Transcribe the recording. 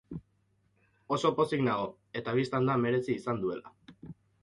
Oso pozik nago, eta bistan da merezi izan duela.